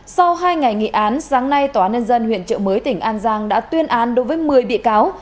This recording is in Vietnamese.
sau hai ngày nghị án sáng nay tòa nhân dân huyện trợ mới tỉnh an giang đã tuyên án đối với một mươi bị cáo